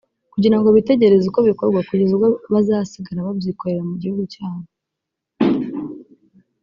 kugira ngo bitegereze uko bikorwa kugeza ubwo bazasigara babyikorera mu gihugu cyabo